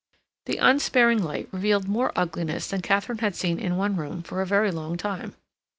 The unsparing light revealed more ugliness than Katharine had seen in one room for a very long time.